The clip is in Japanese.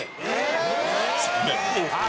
えっ！？